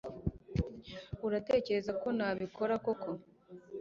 Uratekereza ko nabikora koko